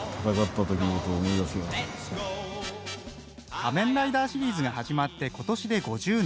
「仮面ライダー」シリーズが始まって今年で５０年。